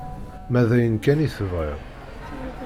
Ma d ayen kan i tebɣiḍ...